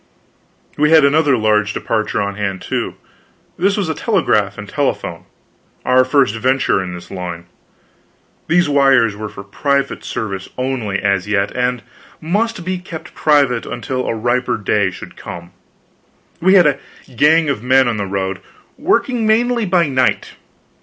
We had another large departure on hand, too. This was a telegraph and a telephone; our first venture in this line. These wires were for private service only, as yet, and must be kept private until a riper day should come. We had a gang of men on the road, working mainly by night.